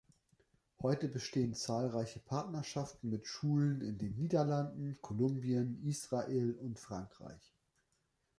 Heute bestehen zahlreiche Partnerschaften mit Schulen in den Niederlanden, Kolumbien, Israel und Frankreich.